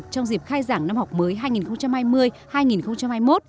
trong dịp khai giảng năm học mới hai nghìn hai mươi hai nghìn hai mươi một